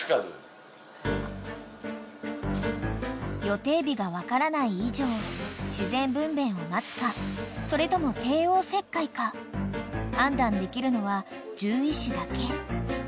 ［予定日が分からない以上自然分娩を待つかそれとも帝王切開か判断できるのは獣医師だけ］